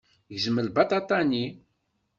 Gzem lbaṭaṭa-nni.